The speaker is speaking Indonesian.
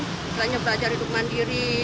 setelahnya belajar hidup mandiri